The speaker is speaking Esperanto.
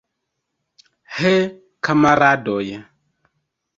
He, kamaradoj!